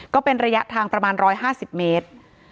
ก็เป็นระยะทางประมาณ๑๕๐เมตร